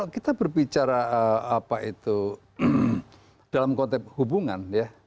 kita berbicara apa itu dalam konteks hubungan ya